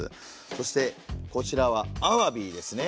そしてこちらは鰒ですね。